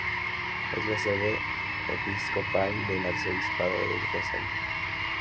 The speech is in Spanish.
Es la sede episcopal del Arzobispado de Rosario.